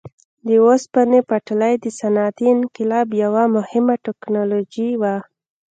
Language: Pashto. د اوسپنې پټلۍ د صنعتي انقلاب یوه مهمه ټکنالوژي وه.